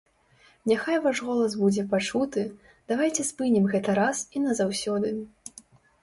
Няхай ваш голас будзе пачуты, давайце спынім гэта раз і назаўсёды.